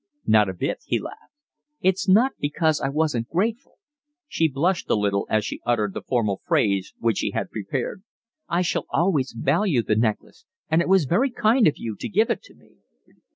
"Not a bit," he laughed. "It's not because I wasn't grateful." She blushed a little as she uttered the formal phrase which she had prepared. "I shall always value the necklace, and it was very kind of you to give it me."